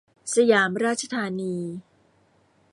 สยามราชธานี